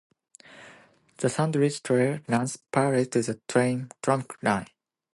The Sandridge Trail runs parallel to the tram line.